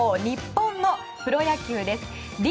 日本のプロ野球です。